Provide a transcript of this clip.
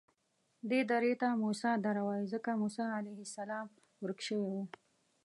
دې درې ته موسی دره وایي ځکه موسی علیه السلام ورک شوی و.